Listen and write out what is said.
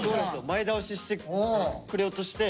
前倒ししてくれようとして。